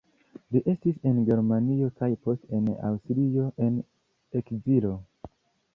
Li estis en Germanio kaj poste en Aŭstrio en ekzilo.